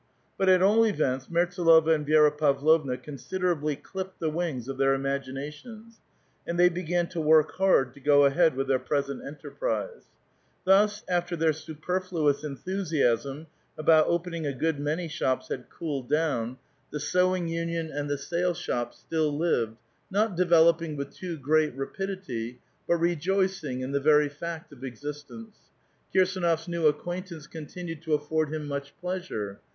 But, at all events, Mertsdlova and Vi^ra Pavlovna consid erably clipped the wings of their imaginations, and they began to work hard to go ahead with their present enterprise. Thus, after their superfluous enthusiasm about opening a good many shops had cooled down, the sewing union and the sale shop still lived, not developing with too great ra pidity, but rejoicing in the very fact of existence. Kirsdnof's new acquaintance continued to afford him. much pleasure.